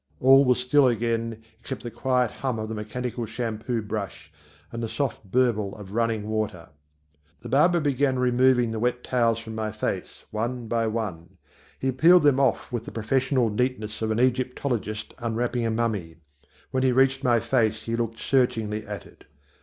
All was still again except the quiet hum of the mechanical shampoo brush and the soft burble of running water. The barber began removing the wet towels from my face one by one. He peeled them off with the professional neatness of an Egyptologist unwrapping a mummy. When he reached my face he looked searchingly at it.